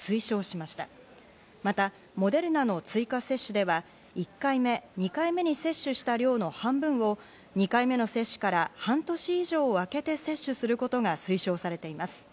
またモデルナの追加接種では１回目、２回目に接種した量の半分を２回目の接種から半年以上あけて接種することが推奨されています。